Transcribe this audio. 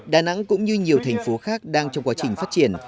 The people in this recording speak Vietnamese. đà nẵng cũng như nhiều thành phố khác đang trong quá trình phát triển